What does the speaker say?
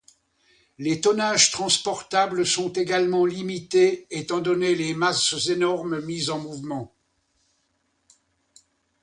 Les tonnages transportables sont également limités étant donné les masses énormes mises en mouvement.